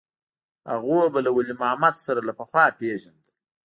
هغوى به له ولي محمد سره له پخوا پېژندل.